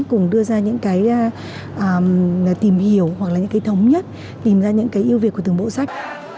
cùng đưa ra những cái tìm hiểu hoặc là những cái thống nhất tìm ra những cái ưu việt của từng bộ sách